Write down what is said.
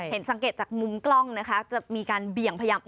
สังเกตจากมุมกล้องนะคะจะมีการเบี่ยงพยายาม